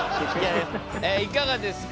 いかがですか？